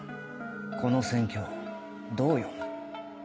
この戦況どう読む？